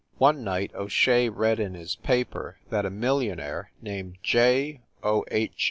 One night O Shea read in his paper that a mil lionaire named J. O H.